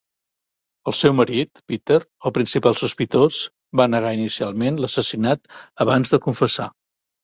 El seu marit Peter, el principal sospitós, va negar inicialment l'assassinat abans de confessar.